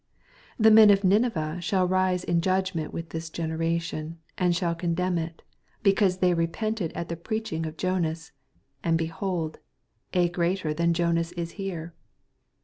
41 The men of Nineveh shall rise in jadgment with this generation, and shall condemn it: becaase they re pented at the preaching of Jonas ; and, oehold, a greater than Jonas U here.